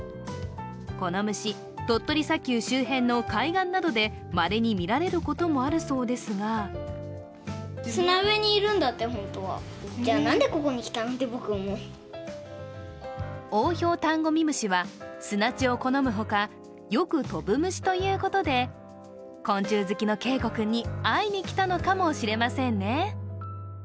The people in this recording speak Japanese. この虫、鳥取砂丘周辺の海岸などでまれに見られることもあるそうですがオオヒョウタンゴミムシは砂地を好むほかよく飛ぶ虫ということで昆虫好きの恵梧君に会いに来たのかもしれませんね。